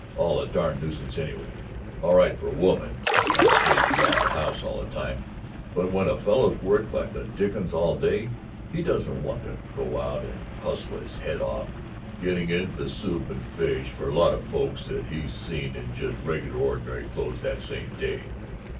All a darn nuisance, anyway. All right for a woman, that stays around the house all the time, but when a fellow's worked like the dickens all day, he doesn't want to go and hustle his head off getting into the soup and fish for a lot of folks that he's seen in just reg'lar ordinary clothes that same day."